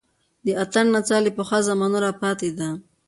د اتڼ نڅا له پخوا زمانو راپاتې ده